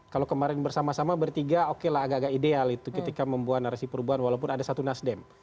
kalau kemarin bersama sama bertiga oke lah agak agak ideal itu ketika membuat narasi perubahan walaupun ada satu nasdem